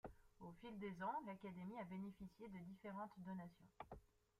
Au fil des ans, l’Académie a bénéficié de différentes donations.